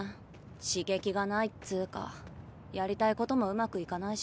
刺激がないっつうかやりたいこともうまくいかないし。